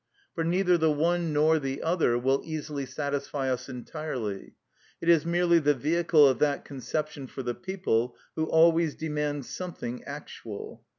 For neither the one nor the other will easily satisfy us entirely. It is merely the vehicle of that conception for the people, who always demand something actual.